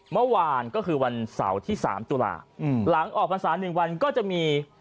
เมื่อวานก็คือวันเสาร์ที่๓ตุลาหลังออกภาษา๑วันก็จะมี